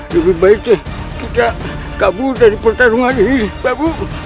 lebih baik kita kabur dari pertarungan ini bapak